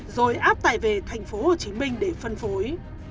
rồi áp tải về tp hcm để phân phối